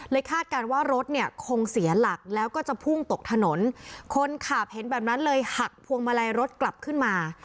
คาดการณ์ว่ารถเนี่ยคงเสียหลักแล้วก็จะพุ่งตกถนนคนขับเห็นแบบนั้นเลยหักพวงมาลัยรถกลับขึ้นมา